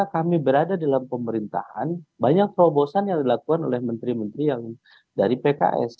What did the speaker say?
kami berada dalam pemerintahan banyak terobosan yang dilakukan oleh menteri menteri yang dari pks